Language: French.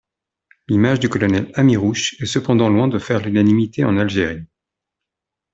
L'image du colonel Amirouche est cependant loin de faire l'unanimité en Algérie.